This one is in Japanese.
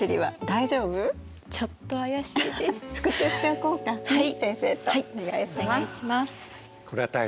はい。